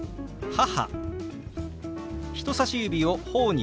「母」。